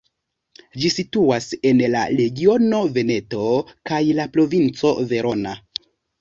Ĝi situas en la regiono Veneto kaj la provinco Verona.